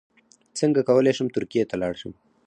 څنګه کولی شم ترکیې ته لاړ شم